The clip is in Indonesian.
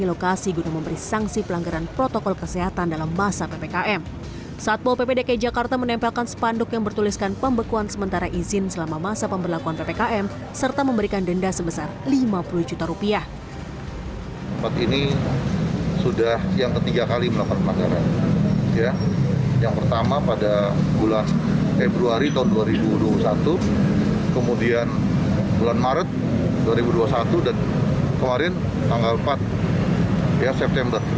yang pertama pada bulan februari dua ribu dua puluh satu kemudian bulan maret dua ribu dua puluh satu dan kemarin tanggal empat september